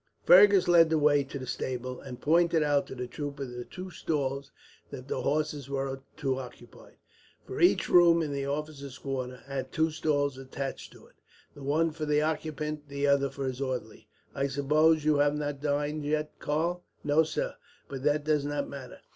Fergus led the way to the stable, and pointed out to the trooper the two stalls that the horses were to occupy; for each room in the officers' quarters had two stalls attached to it, the one for the occupant, the other for his orderly. "I suppose you have not dined yet, Karl?" "No, sir, but that does not matter."